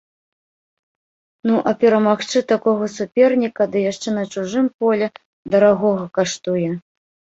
Ну а перамагчы такога суперніка, ды яшчэ на чужым полі, дарагога каштуе.